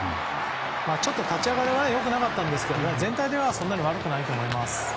ちょっと立ち上がりはよくなかったんですけど全体ではそんなに悪くないと思います。